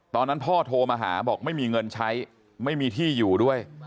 ตอนนั้นพ่อโทรมาหาบอกไม่มีเงินใช้ไม่มีที่อยู่ด้วย